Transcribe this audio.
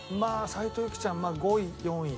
斉藤由貴ちゃん５位４位。